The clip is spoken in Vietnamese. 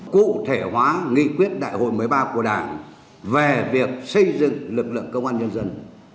cụ thể hóa nghị quyết đại hội một mươi ba của đảng về việc xây dựng lực lượng công an nhân dân